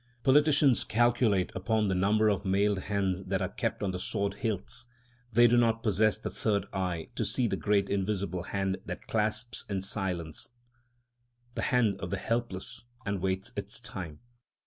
Politicians calculate upon the number of mailed hands that are kept on the sword hilts: they do not possess the third eye to see the great invisible hand that clasps in silence the hand of the helpless and waits its time.